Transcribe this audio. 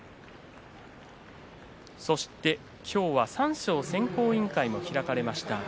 そして今日は三賞選考委員会が開かれました。